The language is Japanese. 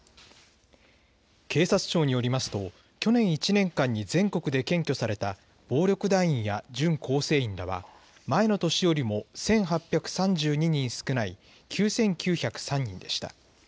警察庁によりますと、去年１年間に全国で検挙された暴力団員や準構成員らは、前の年よりも１８３２人少ない９９０３人でした。